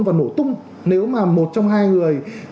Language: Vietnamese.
và nổ tung nếu mà một trong hai người